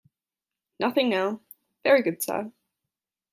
‘Nothing now.’ ‘Very good, sir'.